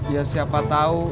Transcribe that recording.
ya siapa tau